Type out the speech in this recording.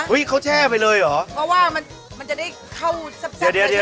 อุ๊ยเขาแช่ไปเลยเหรอเพราะว่ามันจะได้เข้าแซ่บเลยใช่ไหม